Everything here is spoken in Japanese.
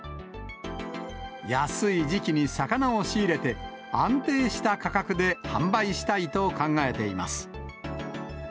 安い時期に魚を仕入れて、安定した価格で販売したいと考えています。